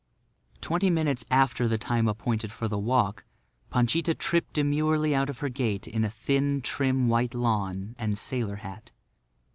Twenty minutes after the time appointed for the walk Panchita tripped demurely out of her gate in a thin, trim white lawn and sailor hat.